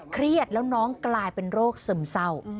เครียดแล้วน้องกลายเป็นโรคซึมเศร้า